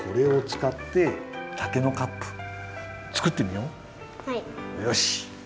よし！